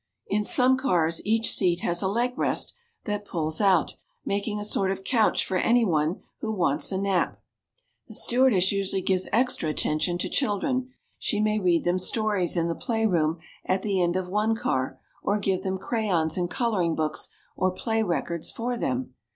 In some cars, each seat has a leg rest that pulls out, making a sort of couch for anyone who wants a nap. The stewardess usually gives extra attention to children. She may read them stories in the playroom at the end of one car, or give them crayons and coloring books, or play records for them.